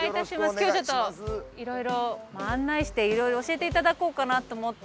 今日ちょっといろいろ案内していろいろ教えていただこうかなと思って。